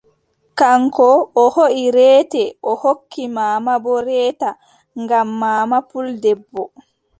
Kaŋko o hooʼi reete, o hokki maama boo reeta ngam maama puldebbo,